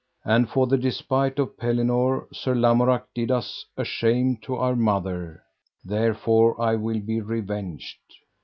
And for the despite of Pellinore, Sir Lamorak did us a shame to our mother, therefore I will be revenged.